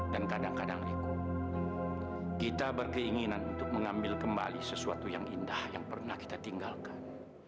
dan kadang kadang iko kita berkeinginan untuk mengambil kembali sesuatu yang indah yang pernah kita tinggalkan